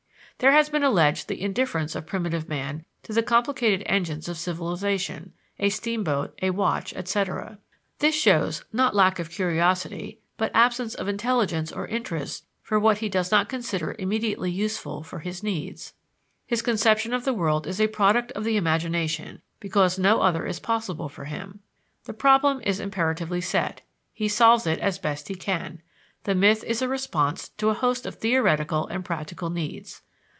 There has been alleged the indifference of primitive man to the complicated engines of civilization (a steamboat, a watch, etc.). This shows, not lack of curiosity, but absence of intelligence or interest for what he does not consider immediately useful for his needs. His conception of the world is a product of the imagination, because no other is possible for him. The problem is imperatively set, he solves it as best he can; the myth is a response to a host of theoretical and practical needs.